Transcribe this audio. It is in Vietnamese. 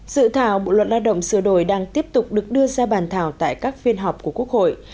dự thảo bộ luật lao động sửa đổi đang tiếp tục được đưa ra bàn thảo tại các phiên họp của quốc hội